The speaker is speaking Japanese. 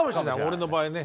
俺の場合ね。